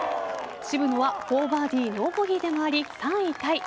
渋野は４バーディーノーボギーで回り、３位タイ。